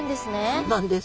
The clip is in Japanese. そうなんです。